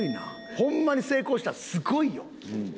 ホンマに成功したらすごいよ。